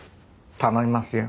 頼みますよ。